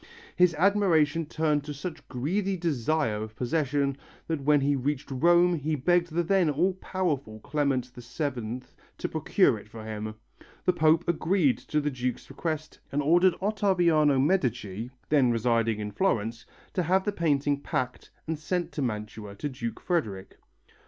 His admiration turned to such greedy desire of possession that when he reached Rome he begged the then all powerful Clement VII to procure it for him. The Pope agreed to the Duke's request and ordered Ottaviano Medici, then residing in Florence, to have the painting packed and sent to Mantua to Duke Frederick.